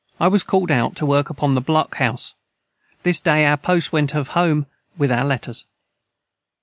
I was cald out to work upon the Block house this day our post went of home with our letters.